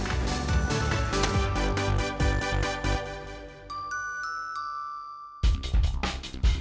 aku harus kasih tau ray